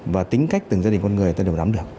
và tính cách từng gia đình con người ta đều nắm được